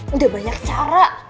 udah banyak cara